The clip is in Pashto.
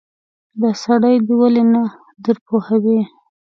دا سړی دې ولې نه درپوهوې.